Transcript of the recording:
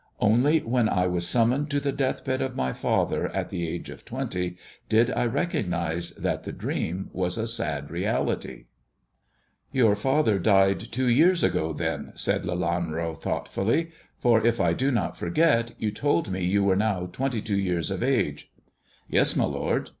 Only when I was summoned to the death bed of my father, at the age of twenty, did I recognize that the dream was a sad reality." '■ Returned with h glass of wine." THE dwarf's chamber 75 YoTir father died two years ago, then," said Lelanro thoughtfully, " for, if I do not forget, you told me you were now twenty two years of age." " Yes, my lord.